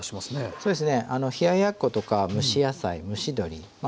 そうですね冷ややっことか蒸し野菜蒸し鶏まあ